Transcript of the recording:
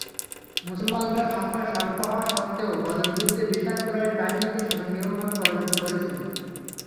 মুসলমানরা সংখ্যায় স্বল্প হওয়া সত্ত্বেও বদর যুদ্ধে বিশাল কুরাইশ বাহিনীকে শোচনীয়ভাবে পরাজিত করেছিল।